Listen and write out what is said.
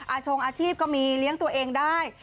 ชงอาชีพก็มีเลี้ยงตัวเองได้